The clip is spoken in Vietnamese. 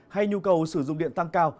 hay nhu cầu sử dụng điện tăng cao